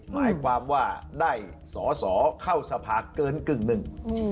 หมายความว่าได้สอสอเข้าสภาเกินกึ่งหนึ่ง